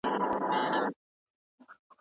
ایا په سویډن کي سوسیالیزم شتون لري؟